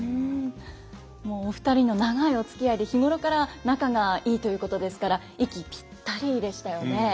もうお二人の長いおつきあいで日頃から仲がいいということですから息ピッタリでしたよね。